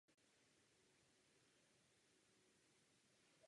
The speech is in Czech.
Pokoušel se dostat do Zastupitelstva Olomouckého kraje.